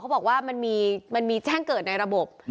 บอกว่ามันมีแจ้งเกิดในระบบ